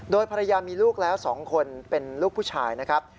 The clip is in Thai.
โดยภรรยามีลูกแล้ว๒คนเป็นลูกผู้ชายนะครับ